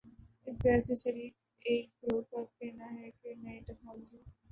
اس بحث میں شریک ایک گروہ کا کہنا ہے کہ نئی ٹیکنالوجی